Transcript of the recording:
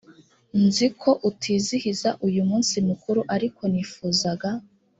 nzi ko utizihiza uyu munsi mukuru ariko nifuzaga